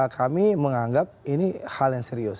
kami menganggap ini hal yang serius